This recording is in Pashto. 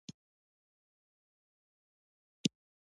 پامیر د افغان نجونو د پرمختګ لپاره فرصتونه برابروي.